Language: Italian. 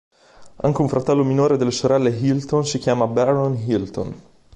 Anche un fratello minore delle sorelle Hilton si chiama Barron Hilton.